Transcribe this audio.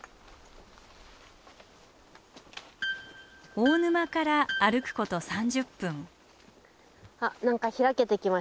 大沼から歩くこと３０分。